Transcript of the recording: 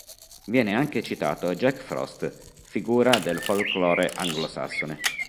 Viene anche citato Jack Frost, figura del folklore anglosassone.